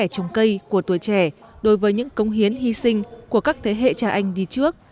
dây của tuổi trẻ đối với những công hiến hy sinh của các thế hệ trà anh đi trước